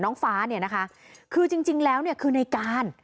น้องฟ้าเนี่ยนะคะคือจริงแล้วเนี่ยคือในการ